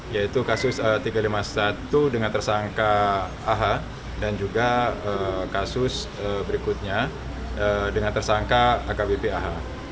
yaitu kasus tiga ratus lima puluh satu dengan tersangka ah dan juga kasus berikutnya dengan tersangka akbp ah